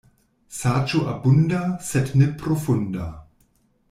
Saĝo abunda, sed ne profunda.